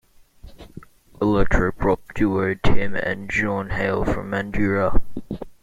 Electro pop duo Tim and Jean hail from Mandurah.